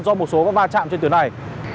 do một số các va chạm trên tuyến này